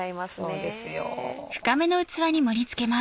そうですよ。